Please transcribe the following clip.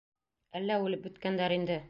Әллә үлеп бөткәндәр инде.